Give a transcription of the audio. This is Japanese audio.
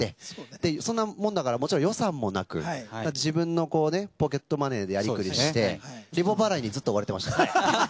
でそんなもんだからもちろん予算もなく自分のポケットマネーでやりくりしてリボ払いにずっと追われてました。